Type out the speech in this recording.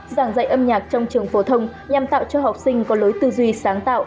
giảng dạy âm nhạc trong trường phổ thông nhằm tạo cho học sinh có lối tư duy sáng tạo